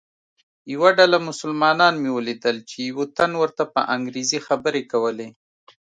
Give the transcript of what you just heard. یوه ډله مسلمانان مې ولیدل چې یوه تن ورته په انګریزي خبرې کولې.